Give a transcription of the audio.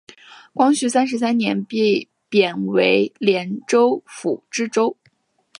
光绪三十三年被贬为廉州府知府。